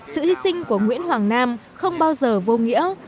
sự hy sinh của nguyễn hoàng nam không bao giờ vô nghĩa